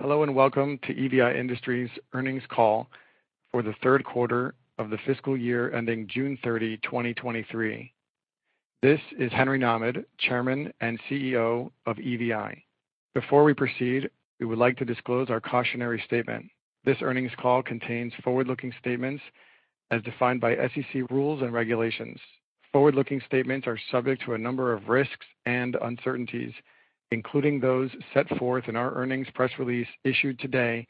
Hello, and welcome to EVI Industries' earnings call for the Q3 of the fiscal year ending June 30, 2023. This is Henry Nahmad, Chairman and CEO of EVI. Before we proceed, we would like to disclose our cautionary statement. This earnings call contains forward-looking statements as defined by SEC rules and regulations. Forward-looking statements are subject to a number of risks and uncertainties, including those set forth in our earnings press release issued today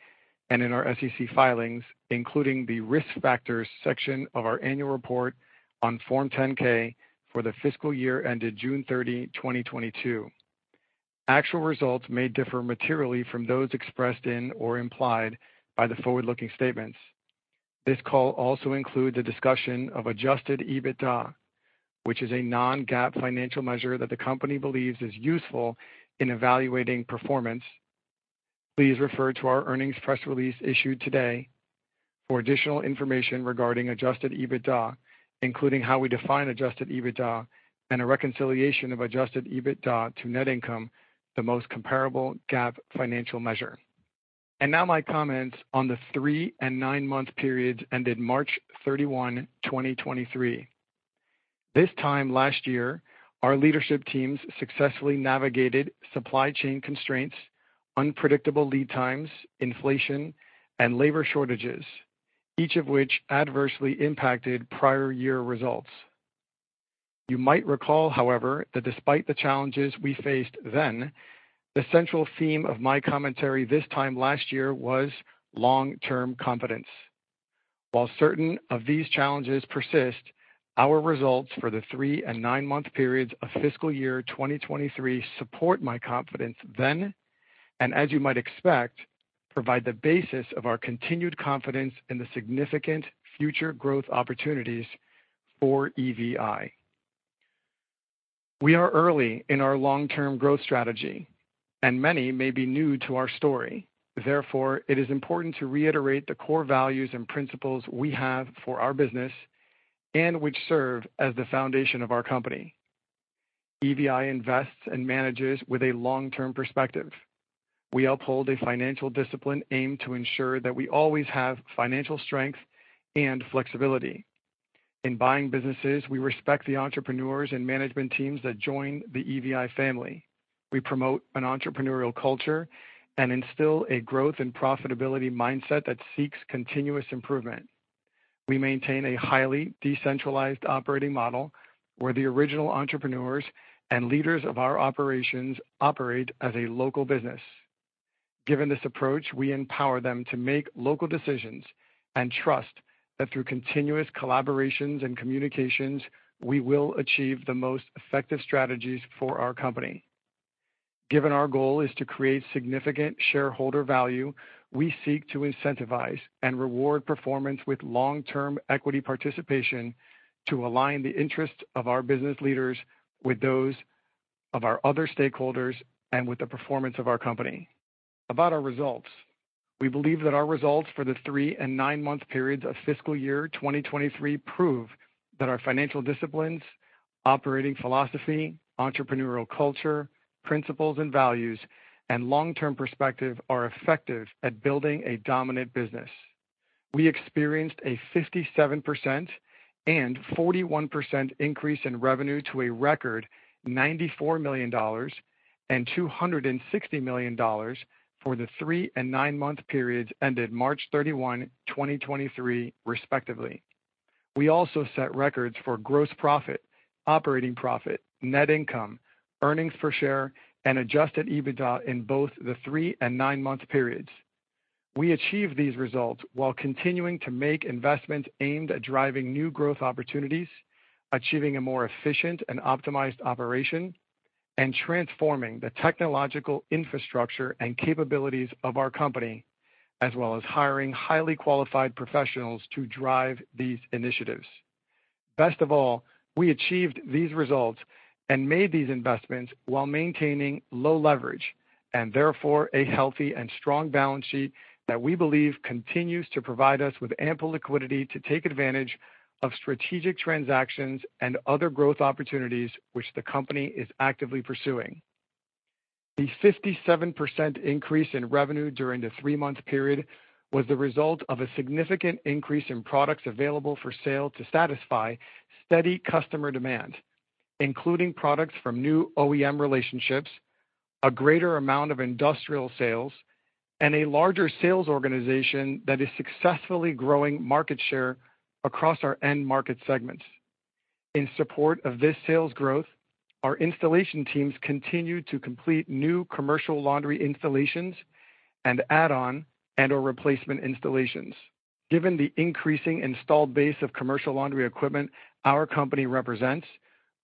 and in our SEC filings, including the Risk Factors section of our annual report on Form 10-K for the fiscal year ended June 30, 2022. Actual results may differ materially from those expressed in or implied by the forward-looking statements. This call also includes a discussion of adjusted EBITDA, which is a non-GAAP financial measure that the company believes is useful in evaluating performance. Please refer to our earnings press release issued today for additional information regarding adjusted EBITDA, including how we define adjusted EBITDA and a reconciliation of adjusted EBITDA to net income, the most comparable GAAP financial measure. Now my comments on the 3 and 9-month periods ended March 31, 2023. This time last year, our leadership teams successfully navigated supply chain constraints, unpredictable lead times, inflation, and labor shortages, each of which adversely impacted prior year results. You might recall, however, that despite the challenges we faced then, the central theme of my commentary this time last year was long-term confidence. While certain of these challenges persist, our results for the 3 and 9-month periods of fiscal year 2023 support my confidence then, and as you might expect, provide the basis of our continued confidence in the significant future growth opportunities for EVI. We are early in our long-term growth strategy, and many may be new to our story. Therefore, it is important to reiterate the core values and principles we have for our business and which serve as the foundation of our company. EVI invests and manages with a long-term perspective. We uphold a financial discipline aimed to ensure that we always have financial strength and flexibility. In buying businesses, we respect the entrepreneurs and management teams that join the EVI family. We promote an entrepreneurial culture and instill a growth and profitability mindset that seeks continuous improvement. We maintain a highly decentralized operating model where the original entrepreneurs and leaders of our operations operate as a local business. Given this approach, we empower them to make local decisions and trust that through continuous collaborations and communications, we will achieve the most effective strategies for our company. Given our goal is to create significant shareholder value, we seek to incentivize and reward performance with long-term equity participation to align the interests of our business leaders with those of our other stakeholders and with the performance of our company. About our results. We believe that our results for the three and nine-month periods of fiscal year 2023 prove that our financial disciplines, operating philosophy, entrepreneurial culture, principles and values, and long-term perspective are effective at building a dominant business. We experienced a 57% and 41% increase in revenue to a record $94 million and $260 million for the three and nine-month periods ended March 31, 2023, respectively. We also set records for gross profit, operating profit, net income, earnings per share, and adjusted EBITDA in both the three and nine-month periods. We achieved these results while continuing to make investments aimed at driving new growth opportunities, achieving a more efficient and optimized operation, and transforming the technological infrastructure and capabilities of our company, as well as hiring highly qualified professionals to drive these initiatives. Best of all, we achieved these results and made these investments while maintaining low leverage, and therefore, a healthy and strong balance sheet that we believe continues to provide us with ample liquidity to take advantage of strategic transactions and other growth opportunities which the company is actively pursuing. The 57% increase in revenue during the 3-month period was the result of a significant increase in products available for sale to satisfy steady customer demand, including products from new OEM relationships, a greater amount of industrial sales, and a larger sales organization that is successfully growing market share across our end market segments. In support of this sales growth, our installation teams continued to complete new commercial laundry installations and add-on and/or replacement installations. Given the increasing installed base of commercial laundry equipment our company represents,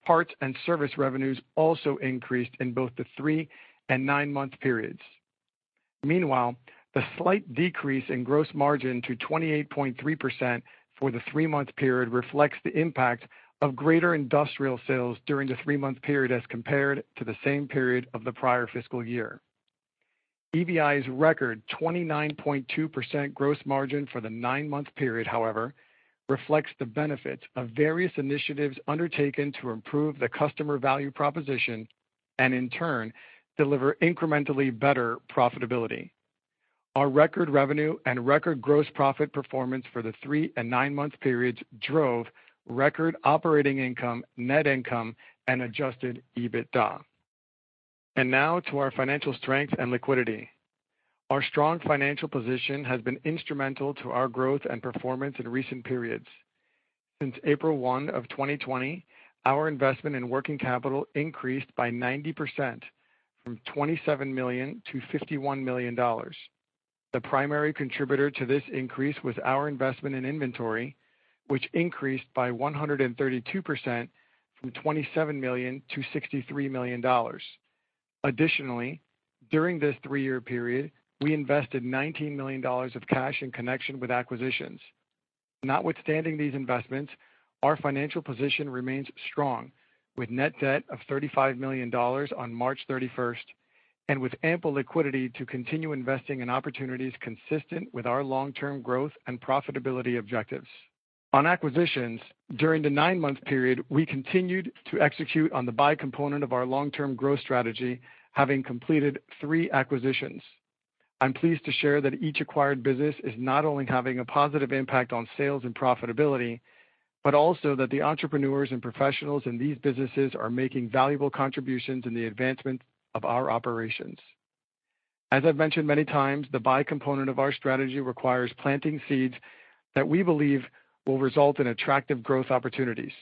parts and service revenues also increased in both the 3 and 9-month periods. The slight decrease in gross margin to 28.3% for the 3-month period reflects the impact of greater industrial sales during the 3-month period as compared to the same period of the prior fiscal year. EVI's record 29.2% gross margin for the 9-month period, however, reflects the benefits of various initiatives undertaken to improve the customer value proposition and in turn, deliver incrementally better profitability. Our record revenue and record gross profit performance for the 3 and 9-month periods drove record operating income, net income, and adjusted EBITDA. Now to our financial strength and liquidity. Our strong financial position has been instrumental to our growth and performance in recent periods. Since April 1, 2020, our investment in working capital increased by 90% from $27 million-$51 million. The primary contributor to this increase was our investment in inventory, which increased by 132% from $27 million-$63 million. Additionally, during this 3-year period, we invested $19 million of cash in connection with acquisitions. Notwithstanding these investments, our financial position remains strong with net debt of $35 million on March 31st and with ample liquidity to continue investing in opportunities consistent with our long-term growth and profitability objectives. On acquisitions, during the 9-month period, we continued to execute on the buy component of our long-term growth strategy, having completed 3 acquisitions. I'm pleased to share that each acquired business is not only having a positive impact on sales and profitability, but also that the entrepreneurs and professionals in these businesses are making valuable contributions in the advancement of our operations. As I've mentioned many times, the buy component of our strategy requires planting seeds that we believe will result in attractive growth opportunities.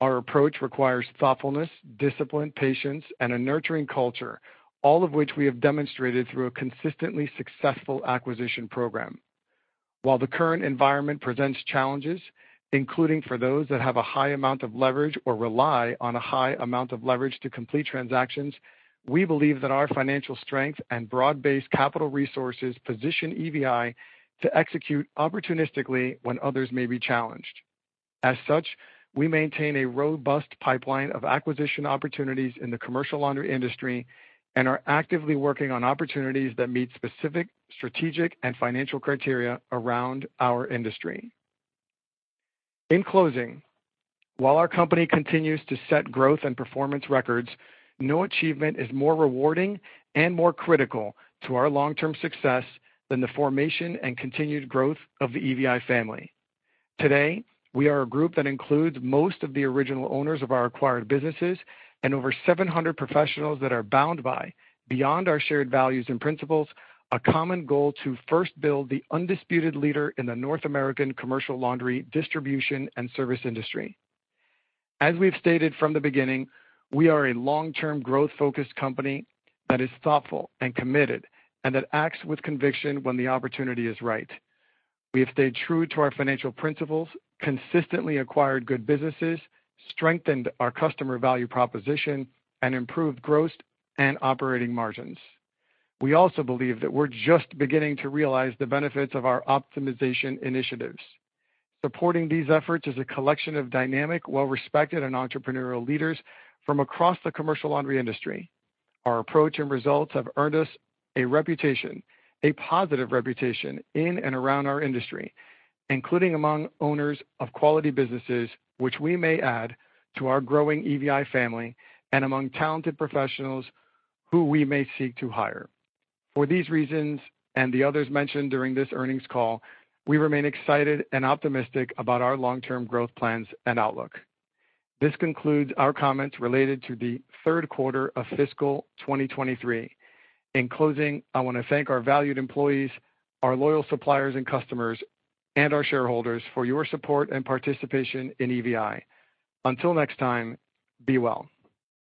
Our approach requires thoughtfulness, discipline, patience, and a nurturing culture, all of which we have demonstrated through a consistently successful acquisition program. While the current environment presents challenges, including for those that have a high amount of leverage or rely on a high amount of leverage to complete transactions, we believe that our financial strength and broad-based capital resources position EVI to execute opportunistically when others may be challenged. As such, we maintain a robust pipeline of acquisition opportunities in the commercial laundry industry and are actively working on opportunities that meet specific strategic and financial criteria around our industry. In closing, while our company continues to set growth and performance records, no achievement is more rewarding and more critical to our long-term success than the formation and continued growth of the EVI family. Today, we are a group that includes most of the original owners of our acquired businesses and over 700 professionals that are bound by, beyond our shared values and principles, a common goal to first build the undisputed leader in the North American commercial laundry distribution and service industry. As we've stated from the beginning, we are a long-term growth-focused company that is thoughtful and committed and that acts with conviction when the opportunity is right. We have stayed true to our financial principles, consistently acquired good businesses, strengthened our customer value proposition, and improved gross and operating margins. We also believe that we're just beginning to realize the benefits of our optimization initiatives. Supporting these efforts is a collection of dynamic, well-respected, and entrepreneurial leaders from across the commercial laundry industry. Our approach and results have earned us a reputation, a positive reputation in and around our industry, including among owners of quality businesses, which we may add to our growing EVI family and among talented professionals who we may seek to hire. For these reasons, and the others mentioned during this earnings call, we remain excited and optimistic about our long-term growth plans and outlook. This concludes our comments related to the Q3 of fiscal 2023. In closing, I want to thank our valued employees, our loyal suppliers and customers, and our shareholders for your support and participation in EVI. Until next time, be well.